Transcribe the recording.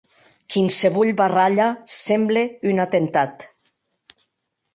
Quinsevolh barralha semble un atemptat.